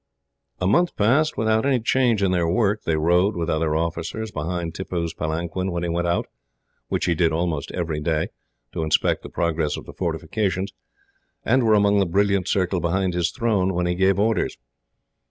A month passed, without any change in their work. They rode, with other officers, behind Tippoo's palanquin when he went out, which he did almost every day, to inspect the progress of the fortifications; and were among the brilliant circle behind his throne, when he gave orders.